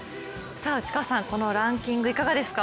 内川さん、このランキングいかがですか？